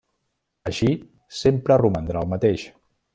Així sempre romandrà el mateix.